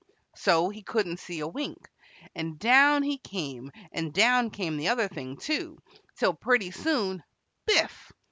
So he couldn't see a wink, and down he came and down came the other thing, too, till pretty soon biff!